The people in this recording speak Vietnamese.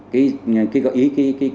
cái gợi ý